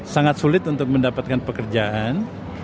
sangat sulit untuk mendapatkan pekerjaan